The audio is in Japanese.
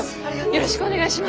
よろしくお願いします！